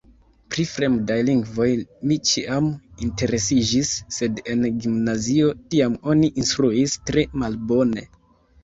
Pri fremdaj lingvoj mi ĉiam interesiĝis, sed en gimnazio tiam oni instruis tre malbone.